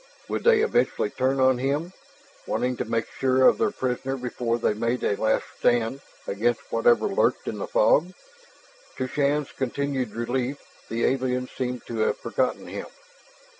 Would they eventually turn on him, wanting to make sure of their prisoner before they made a last stand against whatever lurked in the fog? To Shann's continued relief the aliens seemed to have forgotten him.